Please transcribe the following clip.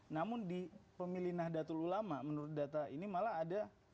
namun di pemilih nahdlatul ulama menurut data ini malah ada